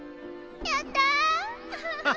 やった！